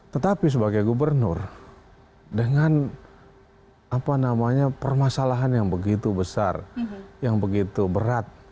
tetapi sebagai gubernur dengan permasalahan yang begitu besar yang begitu berat